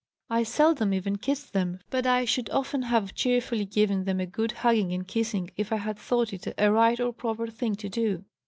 I seldom even kissed them, but I should often have cheerfully given them a good hugging and kissing if I had thought it a right or proper thing to do.